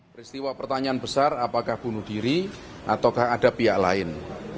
peristiwa pertanyaan besar apakah bunuh diri ataukah ada pihak lain